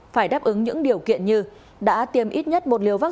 phải đáp ứng những điều kiện như đã tiêm ít nhất một liều vaccine